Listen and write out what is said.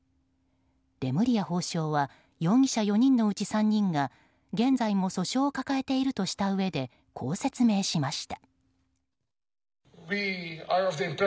レムリヤ法相は容疑者４人のうち３人が現在も訴訟を抱えているとしたうえでこう説明しました。